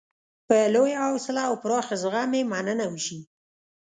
په لویه حوصله او پراخ زغم یې مننه وشي.